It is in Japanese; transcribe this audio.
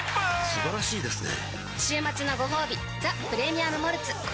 素晴らしいですね